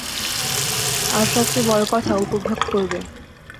আর সবচেয়ে বড় কথা, উপভোগ করবে।